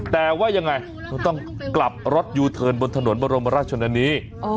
แต่ว่ายังไงก็ต้องกลับรถยูเทิร์นบนถนนบรมราชนี